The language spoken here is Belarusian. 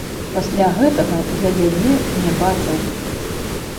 Пасля гэтага я яе не бачыў.